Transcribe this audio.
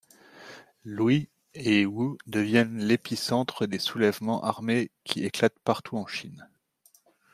Lui et Wu deviennent l'épicentre des soulèvements armés qui éclatent partout en Chine.